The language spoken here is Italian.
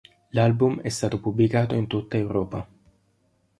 L'album è stato pubblicato in tutta Europa.